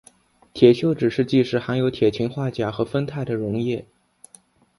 铁锈指示剂是含有铁氰化钾和酚酞的溶液。